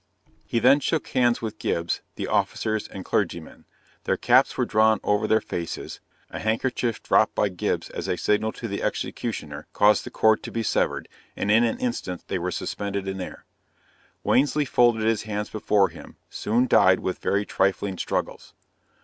He then shook hands with Gibbs, the officers, and clergymen their caps were drawn over their faces, a handkerchief dropped by Gibbs as a signal to the executioner caused the cord to be severed, and in an instant they were suspended in air. Wansley folded his hands before him, soon died with very trifling struggles.